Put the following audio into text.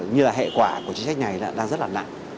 như là hệ quả của chính sách này đang rất là nặng